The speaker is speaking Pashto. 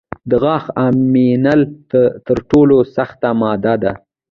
د غاښ امینل تر ټولو سخته ماده ده.